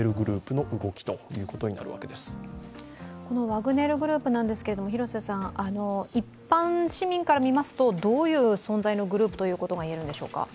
ワグネル・グループなんですけど一般市民から見ますとどういう存在のグループということが言えるんでしょうか？